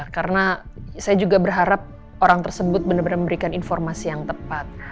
karena saya juga berharap orang tersebut bener bener memberikan informasi yang tepat